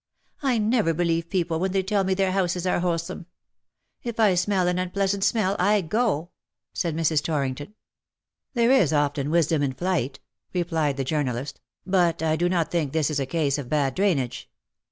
I never believe people when they tell me their houses are wholesome. If I smell an unpleasant smell I go/' said Mrs. Torrington. ^^ There is often wisdom in flight,'' replied the journalist ;" but I do not think this is a case of bad drainage.''